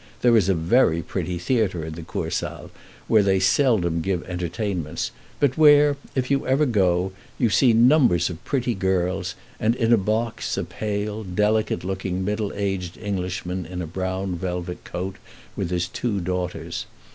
There is a very pretty theatre in the Kursaal, where they seldom give entertainments, but where, if you ever go, you see numbers of pretty girls, and in a box a pale, delicate looking middle aged Englishman in a brown velvet coat, with his two daughters.